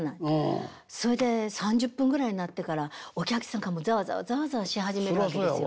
それで３０分ぐらいになってからお客さんがもうざわざわざわざわし始めたわけですよ。